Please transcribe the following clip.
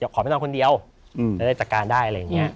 ขอไปนอนคนเดียวจะได้จัดการได้